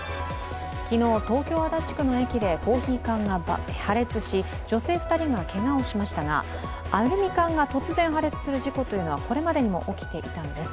昨日、東京・足立区の駅でコーヒー缶が破裂し女性２人がけがをしましたがアルミ缶が突然破裂する事故というのはこれまでにも起きていたんです。